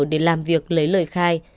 để làm việc lấy lời khai